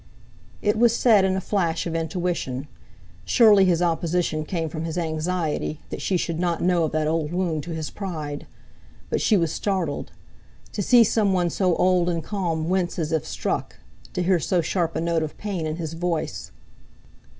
It was said in a flash of intuition. Surely his opposition came from his anxiety that she should not know of that old wound to his pride. But she was startled. To see some one so old and calm wince as if struck, to hear so sharp a note of pain in his voice!